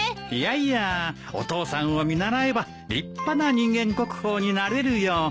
いやいやお父さんを見習えば立派な人間国宝になれるよ。